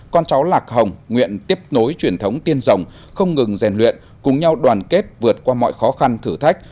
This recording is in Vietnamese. con cháu lạc hồng nguyện tiếp nối truyền thống tiên rồng không ngừng rèn luyện cùng nhau đoàn kết vượt qua mọi khó khăn thử thách